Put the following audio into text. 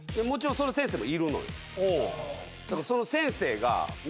その先生が。